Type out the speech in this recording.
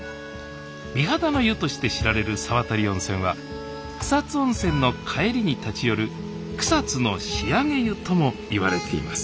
美肌の湯として知られる沢渡温泉は草津温泉の帰りに立ち寄る「草津の仕上げ湯」ともいわれています